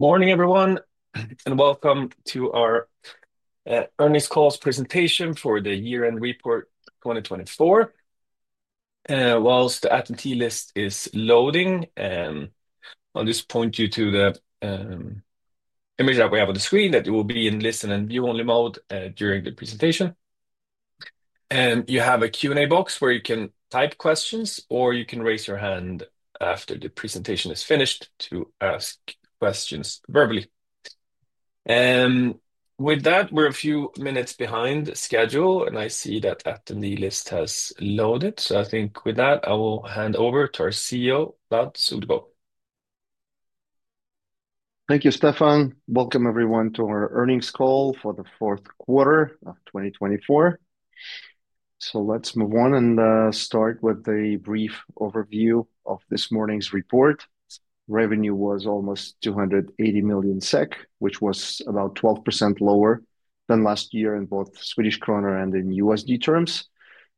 Morning, everyone, and welcome to our earnings call presentation for the year-end report 2024. Whilst the attendee list is loading, I'll just point you to the image that we have on the screen that will be in listen and view-only mode during the presentation. You have a Q&A box where you can type questions, or you can raise your hand after the presentation is finished to ask questions verbally. With that, we're a few minutes behind schedule, and I see that the attendee list has loaded. I think with that, I will hand over to our CEO, Vlad Suglobov. Thank you, Stefan. Welcome, everyone, to our earnings call for the fourth quarter of 2024. Let's move on and start with a brief overview of this morning's report. Revenue was almost 280 million SEK, which was about 12% lower than last year in both Swedish kronor and in USD terms.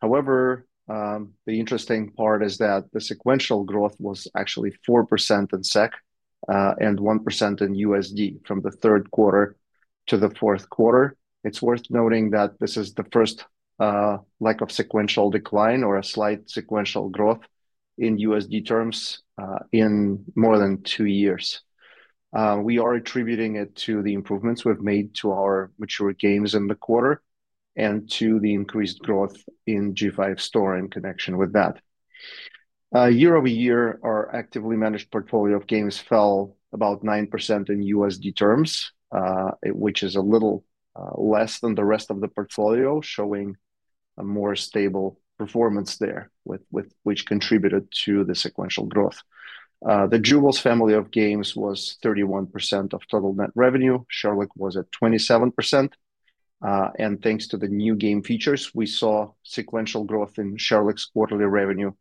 However, the interesting part is that the sequential growth was actually 4% in SEK and 1% in USD from the third quarter to the fourth quarter. It's worth noting that this is the first leg of sequential decline or a slight sequential growth in USD terms in more than two years. We are attributing it to the improvements we've made to our mature games in the quarter and to the increased growth in G5 Store in connection with that. Year-over-year, our actively managed portfolio of games fell about 9% in USD terms, which is a little less than the rest of the portfolio, showing a more stable performance there, which contributed to the sequential growth. The Jewels family of games was 31% of total net revenue. Sherlock was at 27%. Thanks to the new game features, we saw sequential growth in Sherlock's quarterly revenue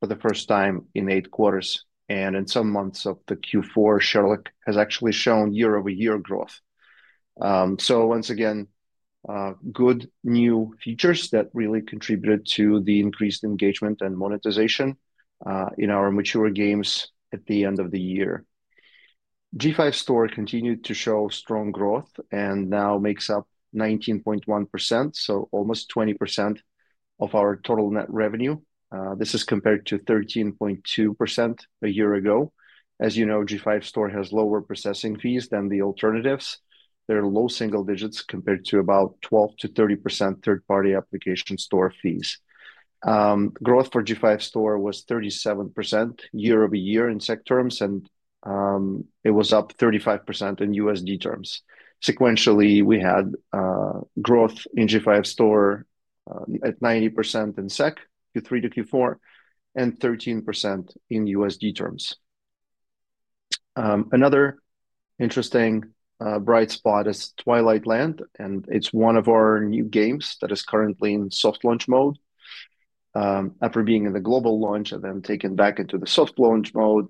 for the first time in eight quarters. In some months of the Q4, Sherlock has actually shown year-over-year growth. Once again, good new features really contributed to the increased engagement and monetization in our mature games at the end of the year. G5 Store continued to show strong growth and now makes up 19.1%, so almost 20% of our total net revenue. This is compared to 13.2% a year ago. As you know, G5 Store has lower processing fees than the alternatives. They're low single digits compared to about 12%-30% third-party application store fees. Growth for G5 Store was 37% year-over-year in SEK terms, and it was up 35% in USD terms. Sequentially, we had growth in G5 Store at 90% in SEK Q3 to Q4 and 13% in USD terms. Another interesting bright spot is Twilight Land, and it's one of our new games that is currently in soft launch mode. After being in the global launch and then taken back into the soft launch mode,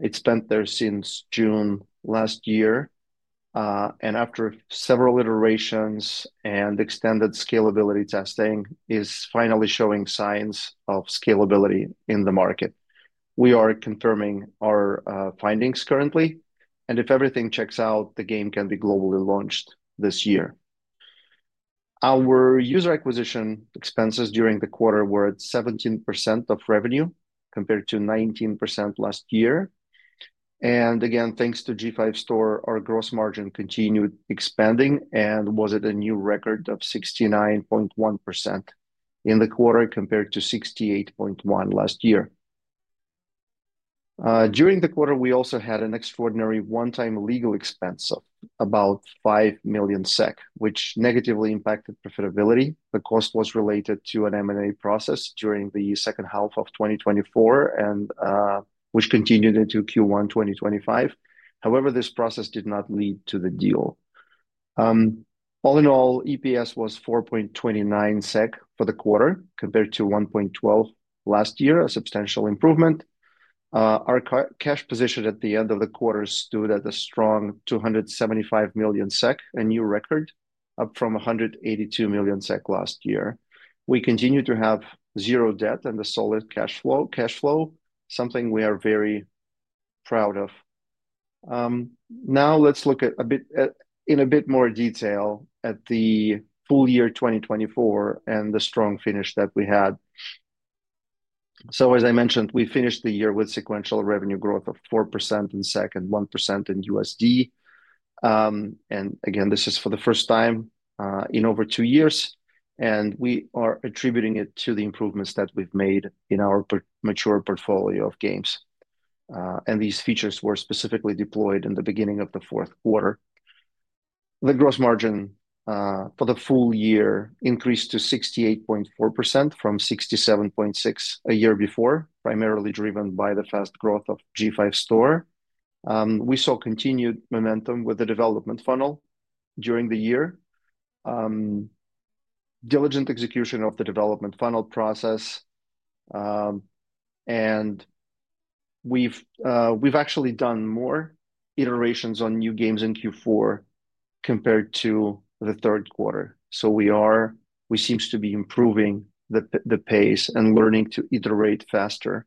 it's been there since June last year. After several iterations and extended scalability testing, it is finally showing signs of scalability in the market. We are confirming our findings currently, and if everything checks out, the game can be globally launched this year. Our user acquisition expenses during the quarter were at 17% of revenue compared to 19% last year. Thanks to G5 Store, our gross margin continued expanding and was at a new record of 69.1% in the quarter compared to 68.1% last year. During the quarter, we also had an extraordinary one-time legal expense of about 5 million SEK, which negatively impacted profitability. The cost was related to an M&A process during the second half of 2024, which continued into Q1 2025. However, this process did not lead to the deal. All in all, EPS was 4.29 SEK for the quarter compared to 1.12 last year, a substantial improvement. Our cash position at the end of the quarter stood at a strong 275 million SEK, a new record, up from 182 million SEK last year. We continue to have zero debt and a solid cash flow, something we are very proud of. Now let's look a bit in a bit more detail at the full year 2024 and the strong finish that we had. As I mentioned, we finished the year with sequential revenue growth of 4% in SEK and 1% in USD. This is for the first time in over two years, and we are attributing it to the improvements that we've made in our mature portfolio of games. These features were specifically deployed in the beginning of the fourth quarter. The gross margin for the full year increased to 68.4% from 67.6% a year before, primarily driven by the fast growth of G5 Store. We saw continued momentum with the development funnel during the year, diligent execution of the development funnel process, and we actually did more iterations on new games in Q4 compared to the third quarter. We seem to be improving the pace and learning to iterate faster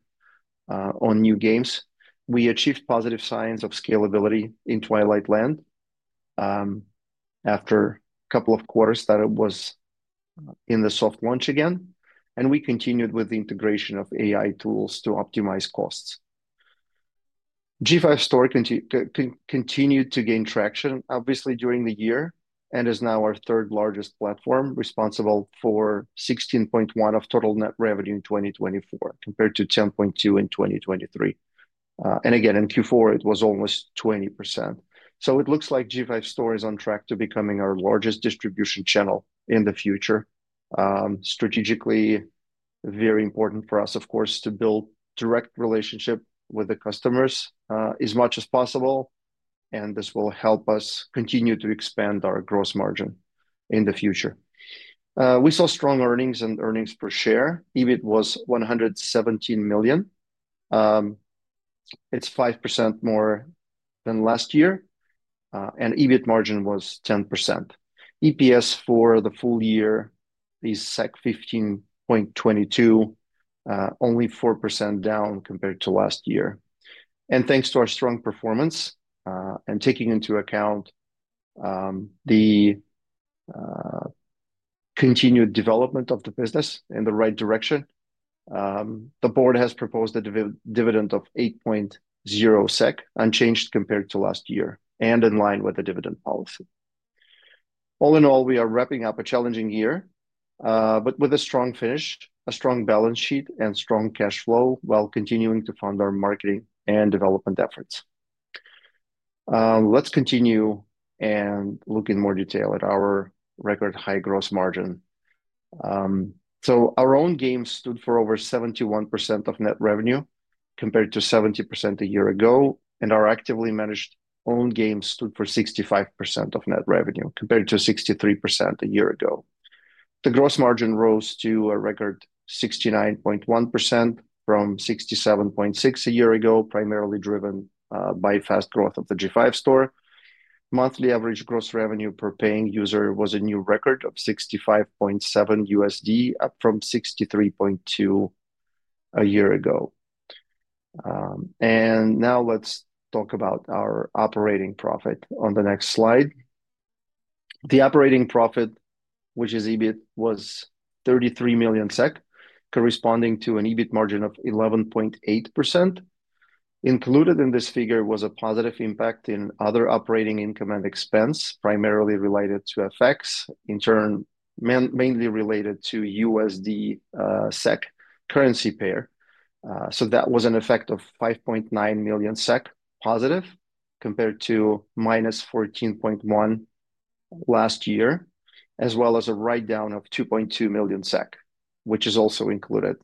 on new games. We achieved positive signs of scalability in Twilight Land after a couple of quarters that it was in the soft launch again, and we continued with the integration of AI tools to optimize costs. G5 Store continued to gain traction, obviously, during the year and is now our third largest platform responsible for 16.1% of total net revenue in 2024 compared to 10.2% in 2023. In Q4, it was almost 20%. It looks like G5 Store is on track to becoming our largest distribution channel in the future. Strategically, very important for us, of course, to build a direct relationship with the customers as much as possible, and this will help us continue to expand our gross margin in the future. We saw strong earnings and earnings per share. EBIT was 117 million. It is 5% more than last year, and EBIT margin was 10%. EPS for the full year is 15.22, only 4% down compared to last year. Thanks to our strong performance and taking into account the continued development of the business in the right direction, the board has proposed a dividend of 8.0 SEK, unchanged compared to last year and in line with the dividend policy. All in all, we are wrapping up a challenging year, but with a strong finish, a strong balance sheet, and strong cash flow while continuing to fund our marketing and development efforts. Let's continue and look in more detail at our record high gross margin. Our own games stood for over 71% of net revenue compared to 70% a year ago, and our actively managed own games stood for 65% of net revenue compared to 63% a year ago. The gross margin rose to a record 69.1% from 67.6% a year ago, primarily driven by fast growth of the G5 Store. Monthly average gross revenue per paying user was a new record of $65.7, up from $63.2 a year ago. Now let's talk about our operating profit on the next slide. The operating profit, which is EBIT, was 33 million SEK, corresponding to an EBIT margin of 11.8%. Included in this figure was a positive impact in other operating income and expense, primarily related to FX, in turn mainly related to the USD SEK currency pair. That was an effect of 5.9 million SEK positive compared to minus 14.1% last year, as well as a write-down of 2.2 million SEK, which is also included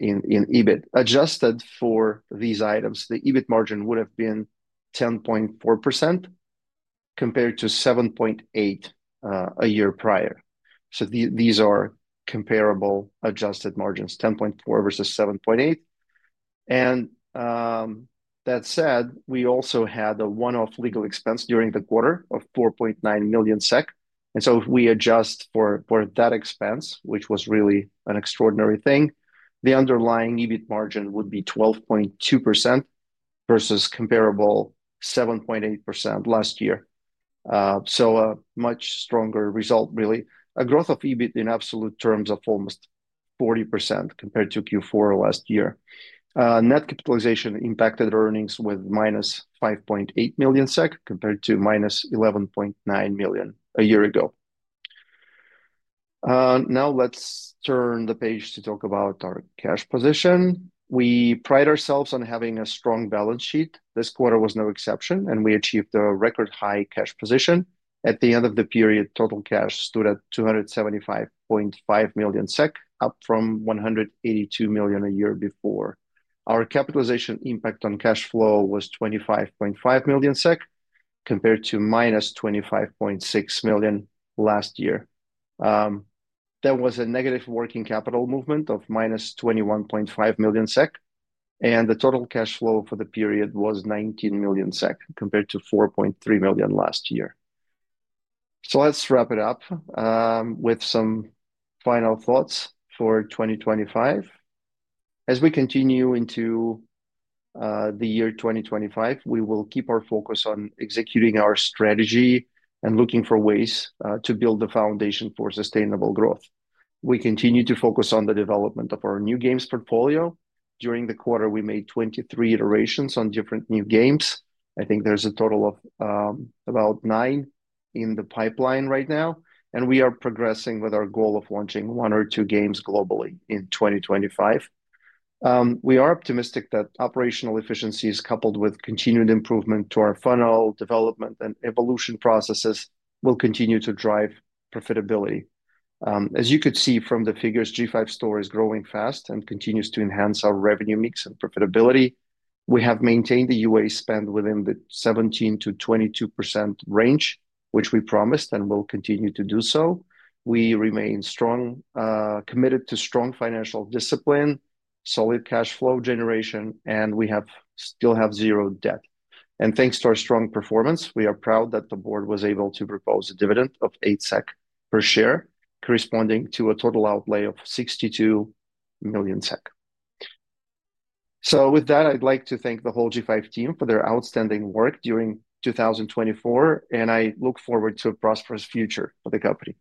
in EBIT. Adjusted for these items, the EBIT margin would have been 10.4% compared to 7.8% a year prior. These are comparable adjusted margins, 10.4% versus 7.8%. We also had a one-off legal expense during the quarter of 4.9 million SEK. If we adjust for that expense, which was really an extraordinary thing, the underlying EBIT margin would be 12.2% versus comparable 7.8% last year. A much stronger result, really. A growth of EBIT in absolute terms of almost 40% compared to Q4 last year. Net capitalization impacted earnings with minus 5.8 million SEK compared to minus 11.9 million a year ago. Now let's turn the page to talk about our cash position. We pride ourselves on having a strong balance sheet. This quarter was no exception, and we achieved a record high cash position. At the end of the period, total cash stood at 275.5 million SEK, up from 182 million a year before. Our capitalization impact on cash flow was 25.5 million SEK compared to minus 25.6 million last year. There was a negative working capital movement of minus 21.5 million SEK, and the total cash flow for the period was 19 million SEK compared to 4.3 million last year. Let's wrap it up with some final thoughts for 2025. As we continue into the year 2025, we will keep our focus on executing our strategy and looking for ways to build the foundation for sustainable growth. We continue to focus on the development of our new games portfolio. During the quarter, we made 23 iterations on different new games. I think there's a total of about nine in the pipeline right now, and we are progressing with our goal of launching one or two games globally in 2025. We are optimistic that operational efficiencies, coupled with continued improvement to our funnel, development, and evolution processes, will continue to drive profitability. As you could see from the figures, G5 Store is growing fast and continues to enhance our revenue mix and profitability. We have maintained the UA spend within the 17%-22% range, which we promised and will continue to do so. We remain strongly committed to strong financial discipline, solid cash flow generation, and we still have zero debt. Thanks to our strong performance, we are proud that the board was able to propose a dividend of 8 SEK per share, corresponding to a total outlay of 62 million SEK. With that, I'd like to thank the whole G5 team for their outstanding work during 2024, and I look forward to a prosperous future for the company.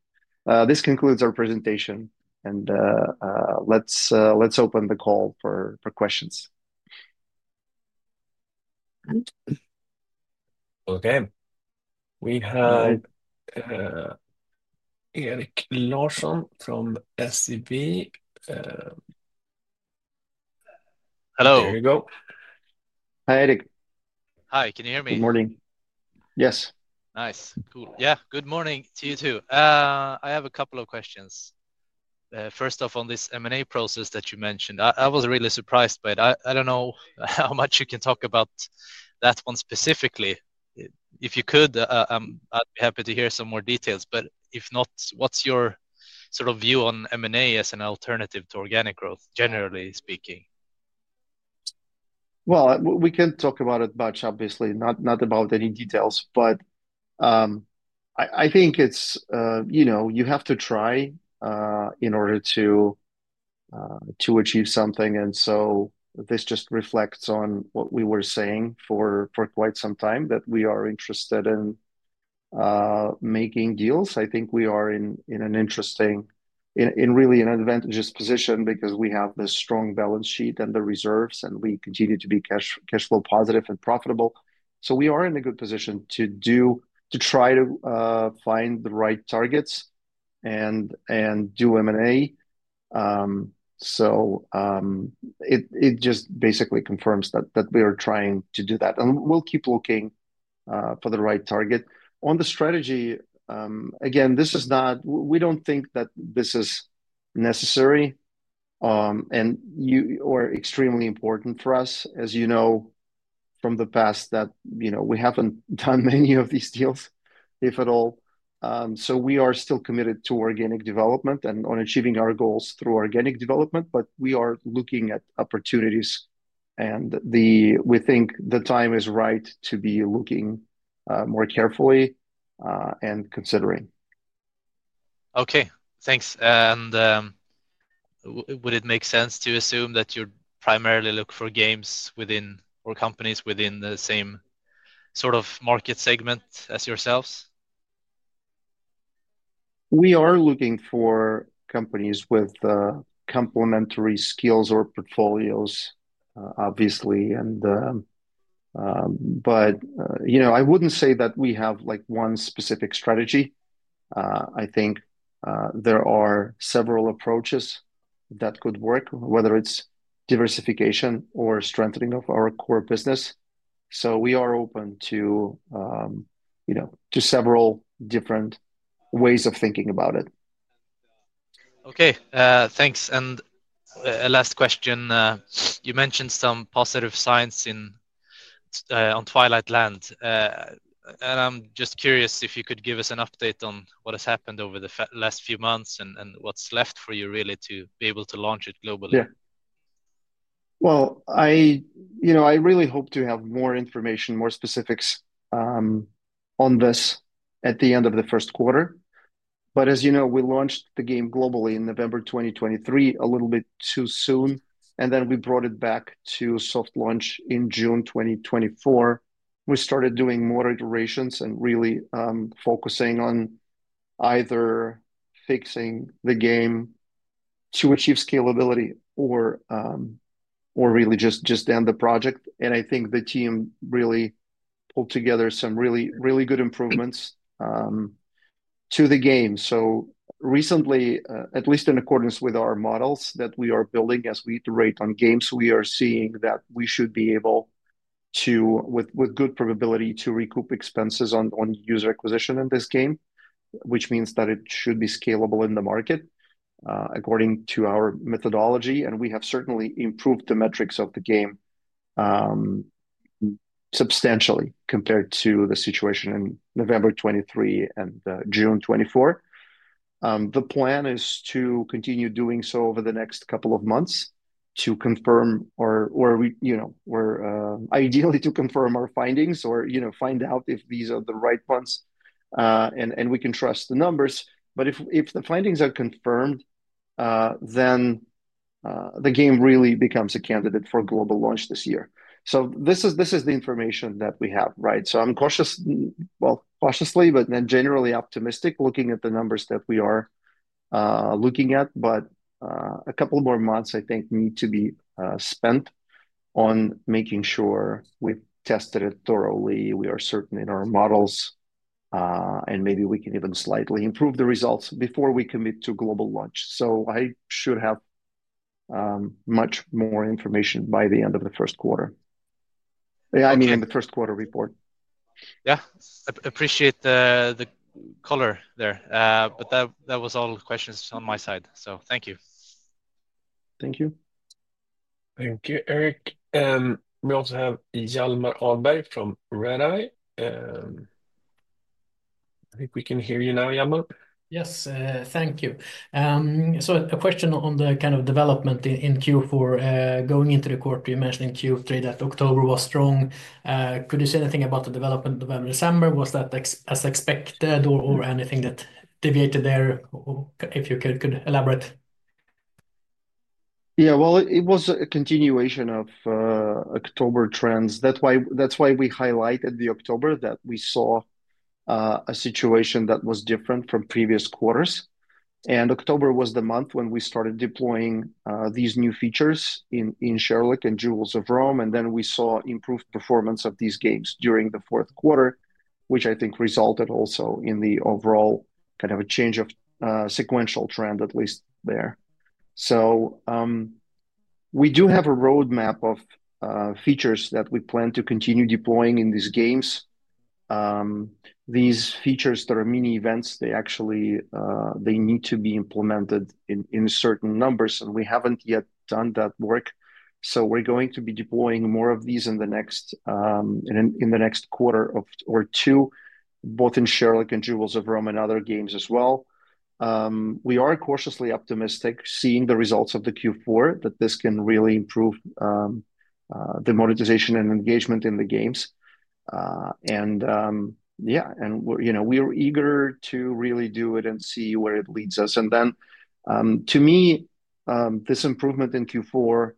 This concludes our presentation, and let's open the call for questions. Okay. We have Erik Larsson from SEB. Hello. There you go. Hi, Eric. Hi, can you hear me? Good morning. Yes. Nice. Cool. Yeah, good morning to you too. I have a couple of questions. First off, on this M&A process that you mentioned, I was really surprised by it. I don't know how much you can talk about that one specifically. If you could, I'd be happy to hear some more details. If not, what's your sort of view on M&A as an alternative to organic growth, generally speaking? We cannot talk about it much, obviously, not about any details, but I think you have to try in order to achieve something. This just reflects on what we were saying for quite some time that we are interested in making deals. I think we are in an interesting, in really an advantageous position because we have the strong balance sheet and the reserves, and we continue to be cash flow positive and profitable. We are in a good position to try to find the right targets and do M&A. It just basically confirms that we are trying to do that. We will keep looking for the right target. On the strategy, again, this is not, we do not think that this is necessary and/or extremely important for us. As you know from the past that we have not done many of these deals, if at all. We are still committed to organic development and on achieving our goals through organic development, but we are looking at opportunities, and we think the time is right to be looking more carefully and considering. Okay. Thanks. Would it make sense to assume that you primarily look for games within or companies within the same sort of market segment as yourselves? We are looking for companies with complementary skills or portfolios, obviously. I would not say that we have one specific strategy. I think there are several approaches that could work, whether it is diversification or strengthening of our core business. We are open to several different ways of thinking about it. Okay. Thanks. A last question. You mentioned some positive signs on Twilight Land. I'm just curious if you could give us an update on what has happened over the last few months and what's left for you really to be able to launch it globally. I really hope to have more information, more specifics on this at the end of the first quarter. As you know, we launched the game globally in November 2023, a little bit too soon, and then we brought it back to soft launch in June 2024. We started doing more iterations and really focusing on either fixing the game to achieve scalability or really just end the project. I think the team really pulled together some really good improvements to the game. Recently, at least in accordance with our models that we are building as we iterate on games, we are seeing that we should be able to, with good probability, recoup expenses on user acquisition in this game, which means that it should be scalable in the market according to our methodology. We have certainly improved the metrics of the game substantially compared to the situation in November 2023 and June 2024. The plan is to continue doing so over the next couple of months to confirm, or ideally to confirm our findings or find out if these are the right ones. We can trust the numbers. If the findings are confirmed, then the game really becomes a candidate for global launch this year. This is the information that we have, right? I'm cautious, cautiously, but then generally optimistic looking at the numbers that we are looking at. A couple more months, I think, need to be spent on making sure we've tested it thoroughly. We are certain in our models, and maybe we can even slightly improve the results before we commit to global launch. I should have much more information by the end of the first quarter. Yeah, I mean, in the first quarter report. Yeah. Appreciate the color there. That was all questions on my side. Thank you. Thank you. Thank you, Eric. We also have Hjalmar Ahlberg from Redeye. I think we can hear you now, Hjalmar. Yes, thank you. A question on the kind of development in Q4. Going into the quarter, you mentioned in Q3 that October was strong. Could you say anything about the development of December? Was that as expected or anything that deviated there? If you could elaborate. Yeah, it was a continuation of October trends. That is why we highlighted the October that we saw a situation that was different from previous quarters. October was the month when we started deploying these new features in Sherlock and Jewels of Rome. We saw improved performance of these games during the fourth quarter, which I think resulted also in the overall kind of a change of sequential trend, at least there. We do have a roadmap of features that we plan to continue deploying in these games. These features that are mini events, they actually need to be implemented in certain numbers, and we have not yet done that work. We are going to be deploying more of these in the next quarter or two, both in Sherlock and Jewels of Rome and other games as well. We are cautiously optimistic seeing the results of the Q4, that this can really improve the monetization and engagement in the games. Yeah, we are eager to really do it and see where it leads us. To me, this improvement in Q4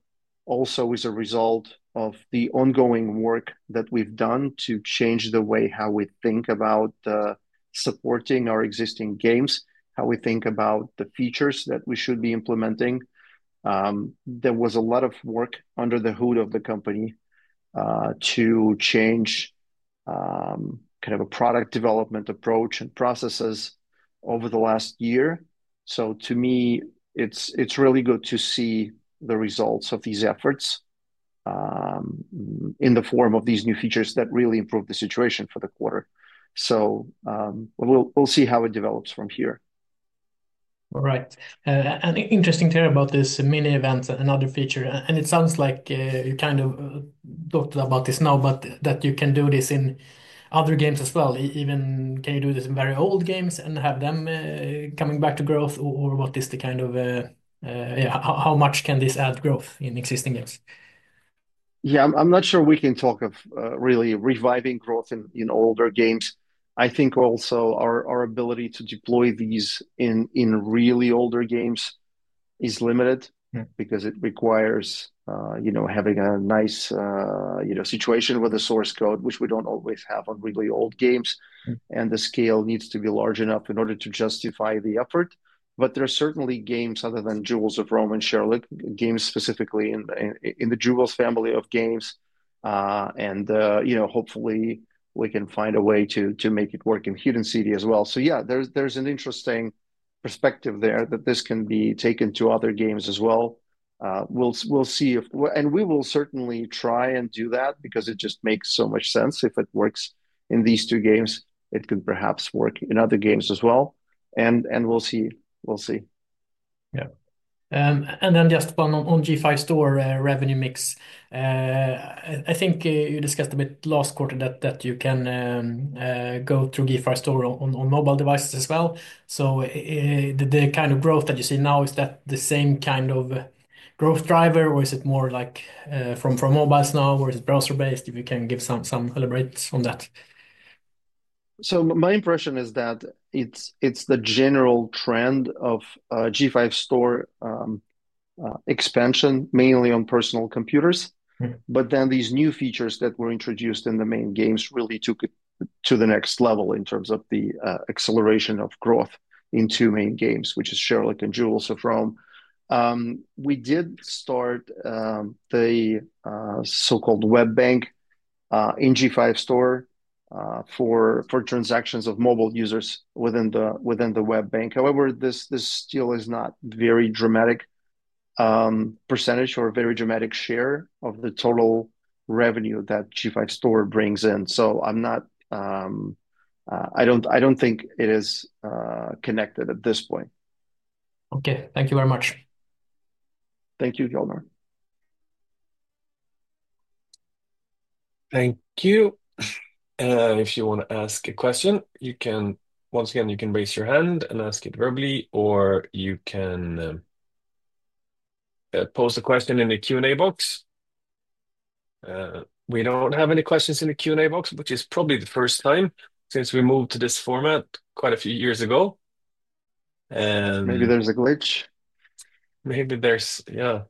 also is a result of the ongoing work that we have done to change the way how we think about supporting our existing games, how we think about the features that we should be implementing. There was a lot of work under the hood of the company to change kind of a product development approach and processes over the last year. To me, it's really good to see the results of these efforts in the form of these new features that really improve the situation for the quarter. We'll see how it develops from here. Interesting to hear about this mini event and other feature. It sounds like you kind of talked about this now, that you can do this in other games as well. Even, can you do this in very old games and have them coming back to growth, or what is the kind of, how much can this add growth in existing games? I'm not sure we can talk of really reviving growth in older games. I think also our ability to deploy these in really older games is limited because it requires having a nice situation with the source code, which we don't always have on really old games. The scale needs to be large enough in order to justify the effort. There are certainly games other than Jewels of Rome and Sherlock, games specifically in the Jewels family of games. Hopefully, we can find a way to make it work in Hidden City as well. Yeah, there is an interesting perspective there that this can be taken to other games as well. We will see if, and we will certainly try and do that because it just makes so much sense. If it works in these two games, it could perhaps work in other games as well. We will see. We will see. Yeah. Just on G5 Store revenue mix, I think you discussed a bit last quarter that you can go through G5 Store on mobile devices as well. The kind of growth that you see now, is that the same kind of growth driver, or is it more like from mobiles now, or is it browser-based? If you can give some elaborate on that. My impression is that it's the general trend of G5 Store expansion, mainly on personal computers. These new features that were introduced in the main games really took it to the next level in terms of the acceleration of growth in two main games, which is Sherlock and Jewels of Rome. We did start the so-called Web Bank in G5 Store for transactions of mobile users within the Web Bank. However, this still is not very dramatic percentage or very dramatic share of the total revenue that G5 Store brings in. I don't think it is connected at this point. Thank you very much. Thank you, Hjalmar. Thank you. If you want to ask a question, once again, you can raise your hand and ask it verbally, or you can post a question in the Q&A box. We do not have any questions in the Q&A box, which is probably the first time since we moved to this format quite a few years ago. Maybe there is a glitch. Maybe, yeah,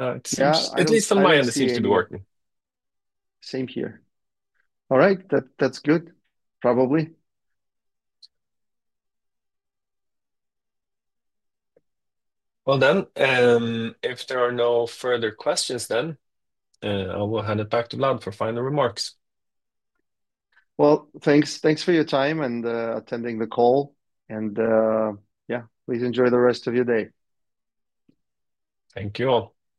at least on my end, it seems to be working. Same here. All right. That is good. Probably. Well done. If there are no further questions, I will hand it back to Vlad for final remarks. Thanks for your time and attending the call. Please enjoy the rest of your day. Thank you all.